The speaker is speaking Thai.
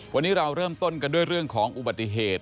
วันนี้เราเริ่มต้นกันด้วยเรื่องของอุบัติเหตุ